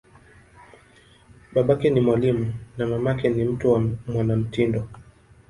Babake ni mwalimu, na mamake ni mtu wa mwanamitindo.